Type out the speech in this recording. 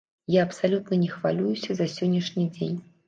Я абсалютна не хвалююся за сённяшні дзень.